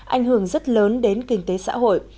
ảnh hưởng rất lớn đến kinh tế xã hội